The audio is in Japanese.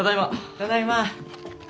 ただいま。